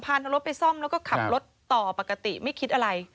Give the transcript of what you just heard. ๒๓พันธุ์เอารถไปซ่อมแล้วก็ขับรถต่อปกติไม่คิดอะไร